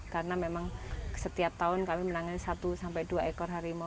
karena memang setiap tahun kami menangani satu dua ekor harimau